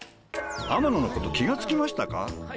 天野のこと気が付きましたか？